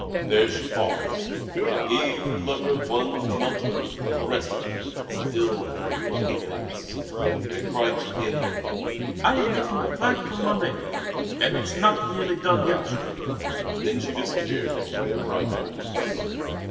There she paused, gave her lover one melting, caressing, but still half mocking glance, and cried to him: "I am making a flag for 'Mon Rêve,' and it's not nearly done yet, Jean." Then she disappeared among the bright branches.